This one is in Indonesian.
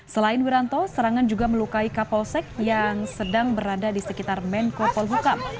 selain wiranto serangan juga melukai kapolsek yang sedang berada di sekitar menko polhukam